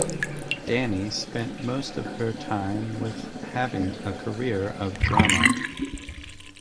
Dani spent most of her time with having a career of drama.